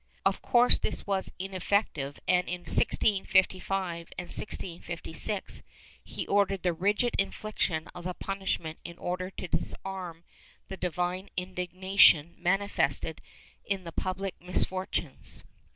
Of course this was ineffective and, in 1655 and 1656 he ordered the rigid infliction of the punishment in order to disarm the divine indignation manifested in the public misfortunes.